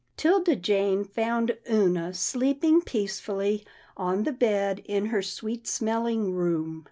'Tilda Jane found Oonah sleeping peacefully on the bed in her sweet smelling room.